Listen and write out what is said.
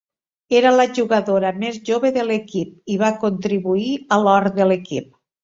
Era la jugadora més jove de l'equip i va contribuir a l'or de l'equip.